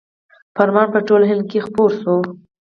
فرمان په ټول هند کې خپور شو.